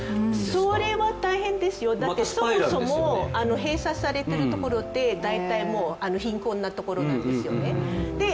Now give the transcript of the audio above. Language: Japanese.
それは大変ですよ、だって、そもそも閉鎖されているところって、大体もう貧困なところなんですよね。